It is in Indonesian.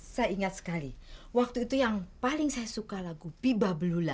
saya ingat sekali waktu itu yang paling saya suka lagu biba belula